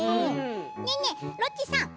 ねえねえ、ロッチさん